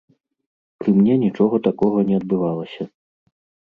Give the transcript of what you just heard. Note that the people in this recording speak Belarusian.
Пры мне нічога такога не адбывалася.